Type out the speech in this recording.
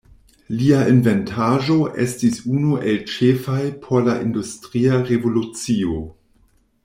Lia inventaĵo estis unu el ĉefaj por la Industria Revolucio.